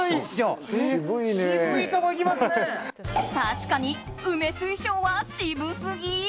確かに梅水晶は渋すぎ！